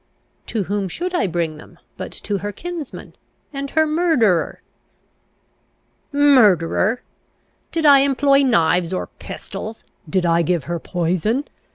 "To whom should I bring them but to her kinsman, and her murderer." "Murderer? Did I employ knives or pistols? Did I give her poison?